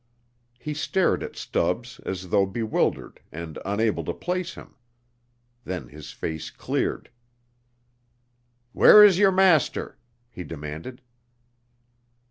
He stared at Stubbs as though bewildered and unable to place him. Then his face cleared. "Where is your master?" he demanded.